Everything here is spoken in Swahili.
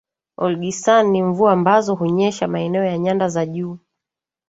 Olgisan ni Mvua ambazo hunyesha maeneo ya nyanda za juu